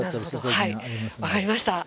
はい分かりました。